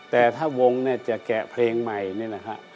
แต่ถ้าวงเนี่ยจะแกะเพลงใหม่นี่นะฮะ